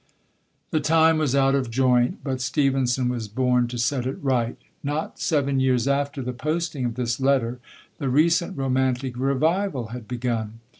The time was out of joint; but Stevenson was born to set it right. Not seven years after the posting of this letter, the recent Romantic Revival had begun.